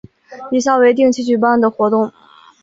以下为定期举行的活动